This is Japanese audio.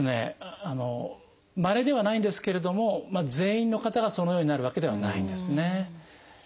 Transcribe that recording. まれではないんですけれども全員の方がそのようになるわけではないんですね。